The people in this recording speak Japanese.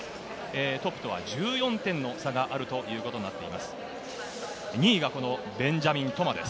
トップとは１４点の差があるということになっています。